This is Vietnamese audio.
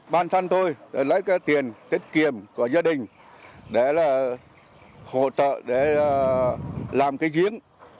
bản thân tôi lấy cái tiền tiết kiệm của gia đình để là hỗ trợ để làm cái giếng